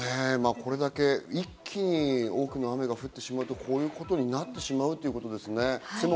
これだけ一気に多くの雨が降ってしまうとこういうことになってしまうってことですね。